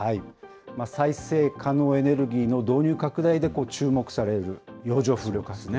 再生可能エネルギーの導入拡大で、注目される洋上風力発電。